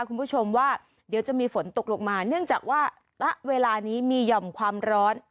คุณผู้ชมว่าเดี๋ยวจะมีฝนตกลงมาเนื่องจากว่าณเวลานี้มีหย่อมความร้อน